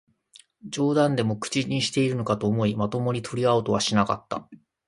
冗談でも口にしているのかと思い、まともに取り合おうとはしなかった